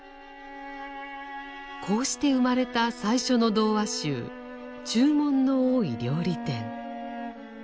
こうして生まれた最初の童話集「注文の多い料理店」。